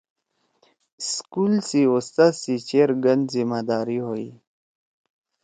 سکول سی اُستاد سی چیر گھن ذمہ داری ہوئی۔